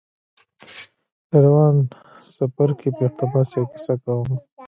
له روان څپرکي په اقتباس يوه کيسه کوم.